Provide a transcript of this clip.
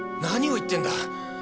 何を言ってるんだ！